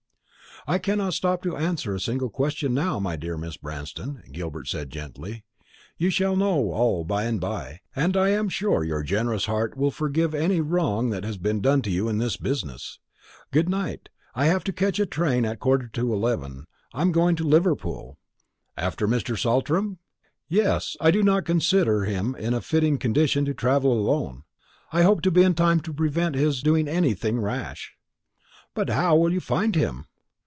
"I cannot stop to answer a single question now, my dear Mrs. Branston," Gilbert said gently. "You shall know all by and by, and I am sure your generous heart will forgive any wrong that has been done you in this business. Good night. I have to catch a train at a quarter to eleven; I am going to Liverpool." "After Mr. Saltram?" "Yes; I do not consider him in a fitting condition to travel alone. I hope to be in time to prevent his doing anything rash." "But how will you find him?"